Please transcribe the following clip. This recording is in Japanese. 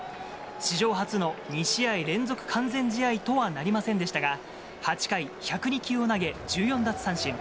史上初の２試合連続完全試合とはなりませんでしたが、８回１０２球を投げ、１４奪三振。